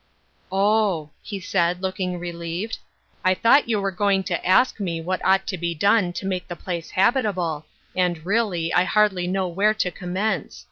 " Oh," he said looking relieved, " I thought you were going to ask me what ought to be done to make the place habitable, and, really, I hardly know where to commence.